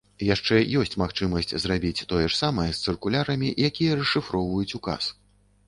Яшчэ ёсць магчымасць зрабіць тое ж самае з цыркулярамі, якія расшыфроўваюць указ.